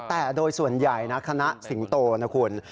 แต่โดยส่วนใหญ่นะคณะสิงโตนะคุณ